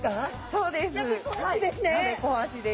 そうです。